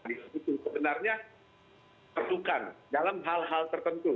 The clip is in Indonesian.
itu sebenarnya diperlukan dalam hal hal tertentu